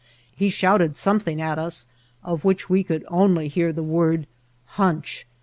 He shouted something at us, of which we could only hear the word *'hunch."